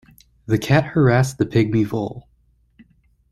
The cat harassed the pygmy vole.